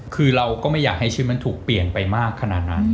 คือเราก็ไม่อยากให้ชีวิตมันถูกเปลี่ยนไปมากขนาดนั้น